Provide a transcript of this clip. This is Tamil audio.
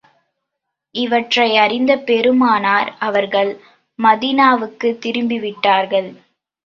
இவற்றை அறிந்த பெருமானார் அவர்கள் மதீனாவுக்குத் திரும்பி விட்டார்கள்.